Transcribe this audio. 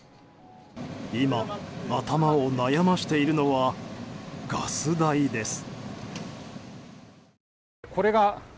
今、頭を悩ましているのはガス代です。